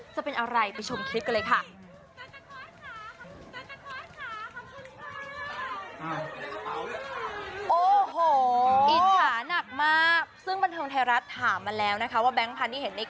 จะเป็นอะไรไปชมคลิปกันเลยค่ะ